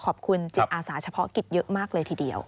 ขอบคุณจิตอาสาเฉพาะกิจเยอะมากเลยทีเดียว